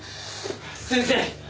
先生！